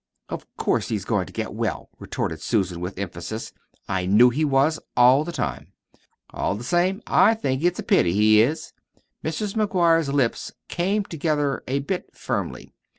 "Of course he's goin' to get well," retorted Susan with emphasis. "I knew he was, all the time." "All the same, I think it's a pity he is." Mrs. McGuire's lips came together a bit firmly.